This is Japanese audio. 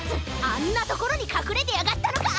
あんなところにかくれてやがったのか！